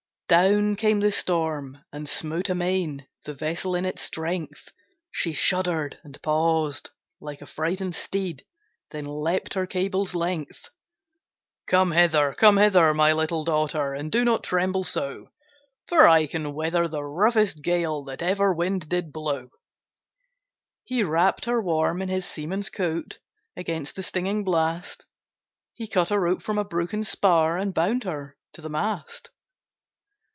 Down came the storm, and smote amain The vessel in its strength; She shudder'd and paused, like a frighted steed, Then leap'd her cable's length. 'Come hither! come hither! my little daughtèr. And do not tremble so; For I can weather the roughest gale That ever wind did blow.' He wrapp'd her warm in his seaman's coat Against the stinging blast; He cut a rope from a broken spar, And bound her to the mast.